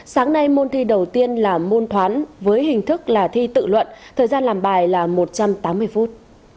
sáng nay môn thi đầu tiên là môn toán với hình thức là thi tự luận thời gian làm bài là một trăm tám mươi phút